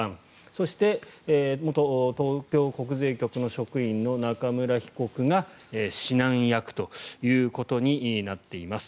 そして元東京国税局の職員の中村被告が指南役ということになっています。